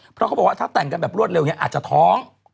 เพราะเขาบอกว่าถ้าแต่งกันแบบรวดเร็วเนี่ยอาจจะท้อง